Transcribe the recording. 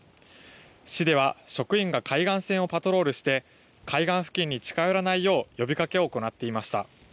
市では職員が海岸線をパトロールして海岸付近に近寄らないよう呼びかけを行っていました。